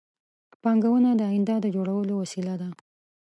پانګونه د آینده د جوړولو وسیله ده